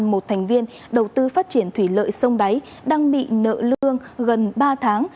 một thành viên đầu tư phát triển thủy lợi sông đáy đang bị nợ lương gần ba tháng